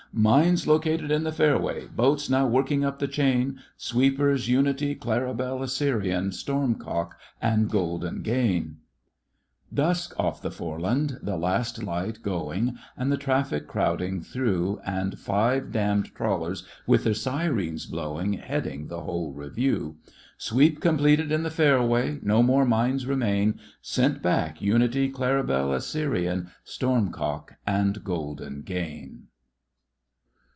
" Mines located in the fairway, " Boats now working up the chain, "Sweepers — Unity, Claribel, Assyrian, Stormcock, and Golden Gain." 19 20 THE FRINGES OF THE FLEET Dusk off the Foreland — the last light going And the traffic crowding through. And five damned trawlers with their syreens blowing Heading the whole revieiv ! "Sweep completed in the fairway. *'No more mines remain. "Sent back Unity, Claribel, Assyrian, Stormcock, and Golden Gain."